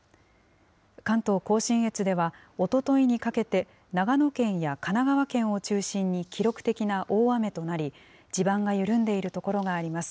関東甲信越では、おとといにかけて長野県や神奈川県を中心に記録的な大雨となり、地盤が緩んでいる所があります。